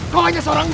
kau hanya seorang bang